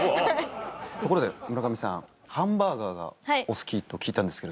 ところで村上さんハンバーガーがお好きと聞いたんですけど。